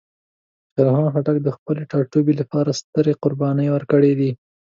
خوشحال خان خټک د خپل ټاټوبي لپاره سترې قربانۍ ورکړې دي.